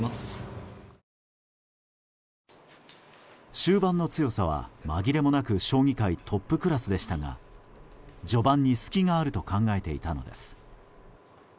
終盤の強さは紛れもなく将棋界トップクラスでしたが序盤に隙があると考えていたのです。